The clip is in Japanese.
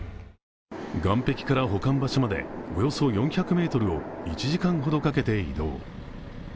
岸壁から保管場所までおよそ４００ｍを１時間ほどかけて移動。